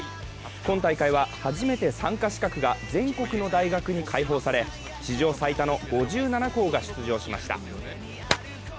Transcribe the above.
今大会は初めて参加資格が全国の大学に開放され、史上最多の５７校が出場しました。